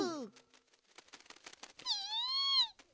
ピ？